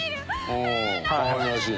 おおかわいらしい。